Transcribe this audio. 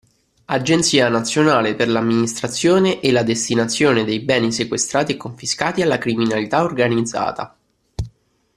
Agenzia Nazionale per l'Amministrazione e la Destinazione dei Beni Sequestrati e Confiscati alla Criminalità Organizzata.